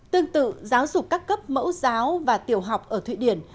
tương tự giáo dục các cấp mẫu giáo và tiểu học ở thụy điển